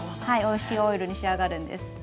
はいおいしいオイルに仕上がるんです。